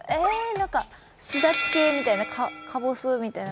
なんかすだち系みたいな、かぼすみたいな？